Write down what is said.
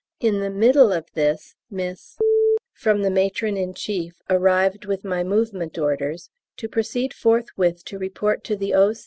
In the middle of this Miss from the Matron in Chief arrived with my Movement Orders "to proceed forthwith to report to the O.